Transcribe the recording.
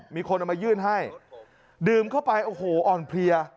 มีคนเอามายื่นให้ดื่มเข้าไปโอ้โหอ่อนเพลีย